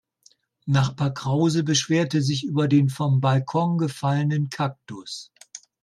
Nachbar Krause beschwerte sich über den vom Balkon gefallenen Kaktus.